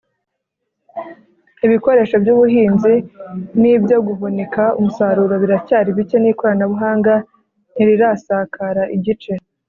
Ibikoresho by ubuhinzi n ibyo guhunika umusaruro biracyari bike n ikoranabuhanga ntirirasakara igice